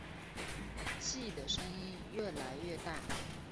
气的声音越来越大